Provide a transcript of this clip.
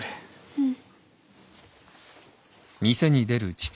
うん。